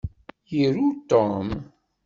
Iru Tom.